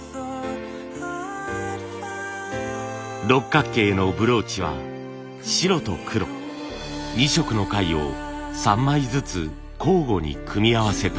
６角形のブローチは白と黒２色の貝を３枚ずつ交互に組み合わせたもの。